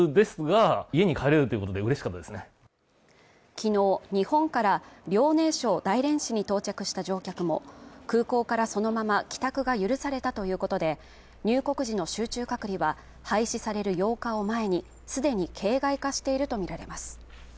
昨日日本から遼寧省大連市に到着した乗客も空港からそのまま帰宅が許されたということで入国時の集中隔離は廃止される８日を前にすでに形骸化していると見られます